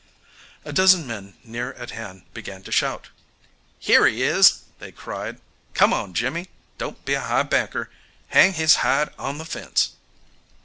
A dozen men near at hand began to shout. "Here he is!" they cried. "Come on, Jimmy." "Don't be a high banker." "Hang his hide on the fence."